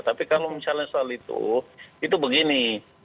tapi kalau misalnya soal itu itu begini